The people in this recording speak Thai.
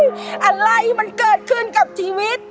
อะไรมันเกิดขึ้นกับชีวิต